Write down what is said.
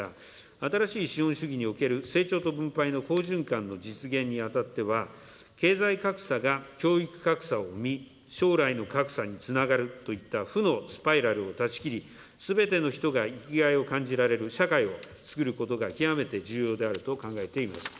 新しい資本主義における成長と分配の好循環の実現にあたっては、経済格差が教育格差を生み、将来の格差につながるといった負のスパイラルを断ち切り、すべての人が生きがいを感じられる社会をつくることが極めて重要であると考えています。